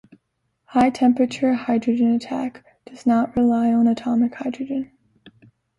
"High Temperature Hydrogen Attack" does not rely on atomic hydrogen.